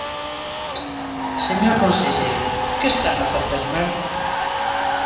Señor conselleiro, ¿que están a facer mal?